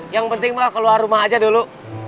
yang penting mah keluar rumah aja dulu